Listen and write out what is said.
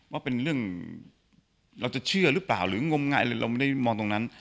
ว่าเป็นเรื่องเราจะเชื่อหรือเปล่าหรืองมงายหรือเราไม่ได้มองตรงนั้น